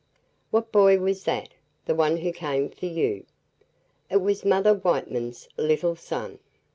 "What boy was that the one who came for you?" "It was Mother Whiteman's little son."